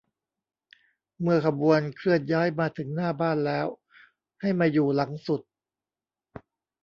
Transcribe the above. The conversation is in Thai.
เมื่อขบวนเคลื่อนย้ายมาถึงหน้าบ้านแล้วให้มาอยู่หลังสุด